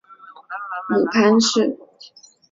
母潘氏。